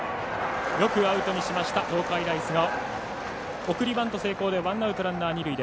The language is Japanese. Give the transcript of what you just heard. よくアウトにしました東海大菅生。